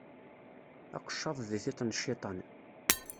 Aqeccaḍ di tiṭ n cciṭan.